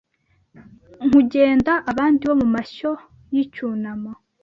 Nkugenda abandi bo mumashyo yicyunamo